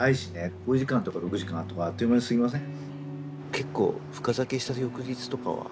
５時間とか６時間とかあっという間に過ぎません？